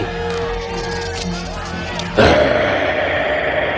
dan pada saat itu